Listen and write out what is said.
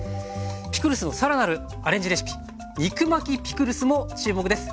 ピクルスの更なるアレンジレシピ肉巻きピクルスも注目です。